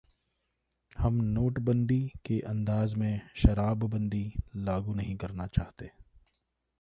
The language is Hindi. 'हम नोटबंदी के अंदाज में शराबबंदी लागू नहीं करना चाहते'